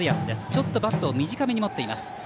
ちょっとバットを短めに持っています。